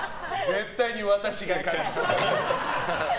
絶対に私が勝つ。